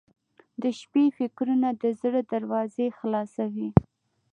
• د شپې فکرونه د زړه دروازې خلاصوي.